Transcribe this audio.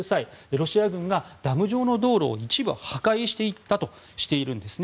ロシア軍がダム上の道路を一部破壊していったとしているんです。